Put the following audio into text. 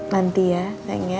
nanti ya sayang ya